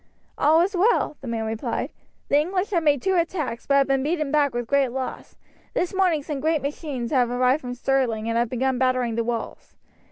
"All is well," the man replied. "The English have made two attacks, but have been beaten back with loss. This morning some great machines have arrived from Stirling and have begun battering the walls.